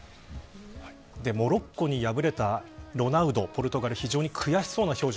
モロッコに敗れたロナウドポルトガル非常に悔しそうな表情。